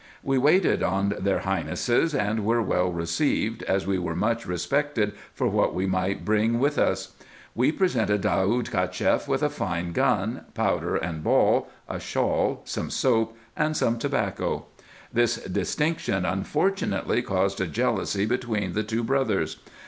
We waited on their highnesses, and were well received, as we were much respected for what we might bring with us. We presented Daoud Cacheff with a fine gun, powder and ball, a shawl some soap, and some tobacco. Tins distinction unfortunately caused a jealousy between the two brothers.